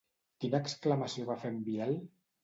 Quina exclamació va fer en Biel?